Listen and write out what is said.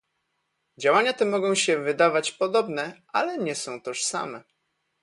Działania te mogą się wydawać podobne, ale nie są tożsame